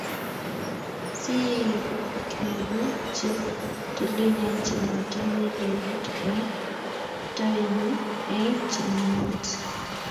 Si keegu che tililen che matinyei lelut eng' tainnyi eng' chamnyet.